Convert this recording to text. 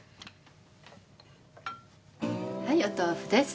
はいお豆腐です。